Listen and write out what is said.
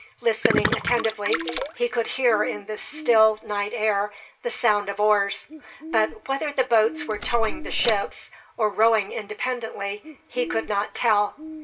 Listening attentively, he could hear in the still night air the sound of oars; but whether the boats were towing the ships, or rowing independently, he could not tell.